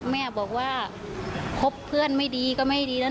แม่บอกว่าคบเพื่อนไม่ดีก็ไม่ดีแล้ว